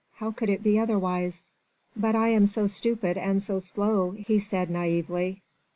"How could it be otherwise?" "But I am so stupid and so slow," he said naïvely.